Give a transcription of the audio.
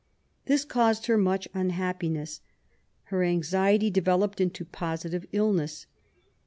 This caused her much unhappiness. Her anxiety developed into positive illness.